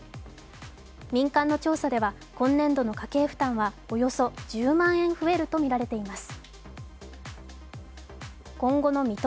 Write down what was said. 民間の調査では今年度の家計負担はおよそ１０万円増えるとみられています。